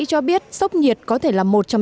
cho biết sốc nhiệt có thể là một trong